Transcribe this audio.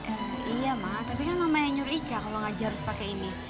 eh iya ma tapi kan mama yang nyuruh ica kalau ngajar harus pakai ini